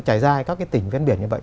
trải dài các cái tỉnh bên biển như vậy